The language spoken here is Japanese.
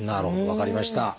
分かりました。